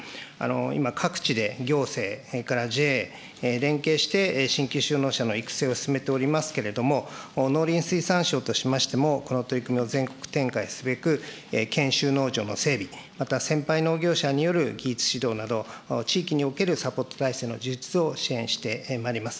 今、各地で行政、それからＪＡ、連携して新規就農者の育成を進めておりますけれども、農林水産省としましても、この取り組みを全国展開すべく、研修農場の整備、また先輩農業者による技術指導など、地域におけるサポート体制の充実を支援してまいります。